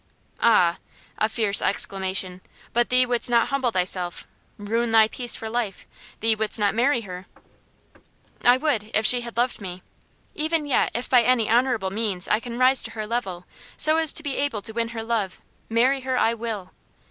"Ah!" a fierce exclamation. "But thee wouldst not humble thyself ruin thy peace for life? Thee wouldst not marry her?" "I would if she had loved me. Even yet, if by any honourable means I can rise to her level, so as to be able to win her love, marry her I will."